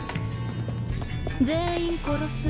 全員殺す。